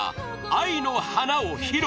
「愛の花」を披露！